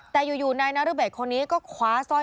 แต่อยู่นายนรเบศคนนี้ก็คว้าสร้อย